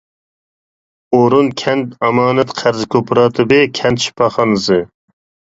ئورۇن كەنت ئامانەت-قەرز كوپىراتىپى، كەنت شىپاخانىسى.